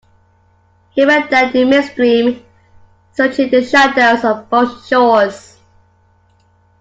He went down in midstream, searching the shadows of both shores.